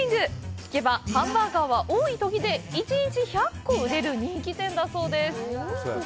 聞けば、ハンバーガーは、多いときで１日１００個売れる人気店だそうです。